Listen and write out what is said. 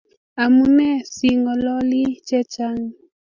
amune si ng'oloni chechang'?